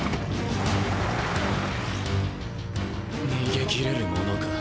にげきれるものか。